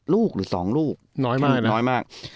ลูกหรือสองลูกน้อยมาก